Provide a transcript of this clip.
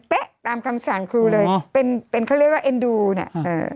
เป๊ะตามคำส่างครูเลยอ๋อเป็นเขาเรียกว่าเอ็นดูน่ะอืม